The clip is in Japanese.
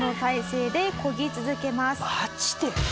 マジで？